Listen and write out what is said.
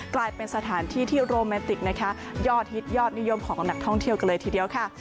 กลายเป็นสถานที่ที่โรแมนติกนะคะยอดฮิตยอดนิยมของนักท่องเที่ยวกันเลยทีเดียวค่ะ